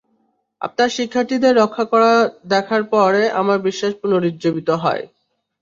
আপনার শিক্ষার্থীদের রক্ষা করা দেখার পরে আমার বিশ্বাস পুনরুজ্জীবিত হয়।